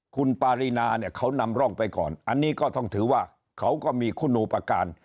คุณปารีนาเนี่ยเขานำร่องไปก่อนอันนี้ก็ต้องถือว่าเขาก็มีคุณอุปการณ์